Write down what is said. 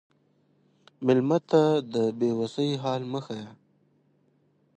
مېلمه ته د بې وسی حال مه ښیه.